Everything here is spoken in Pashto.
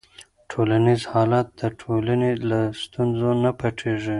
ټولنیز حالت د ټولنې له ستونزو نه پټيږي.